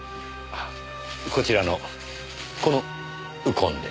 こちらのこのウコンで？